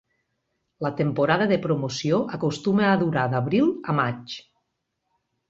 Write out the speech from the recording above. La temporada de promoció acostuma a durar d'abril a maig.